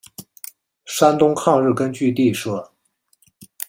山东抗日根据地设。